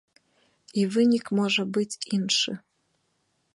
І вынік можа быць іншы.